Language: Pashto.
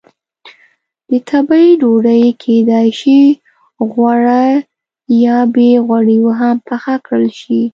د تبۍ ډوډۍ کېدای شي غوړه یا بې غوړیو هم پخه کړل شي.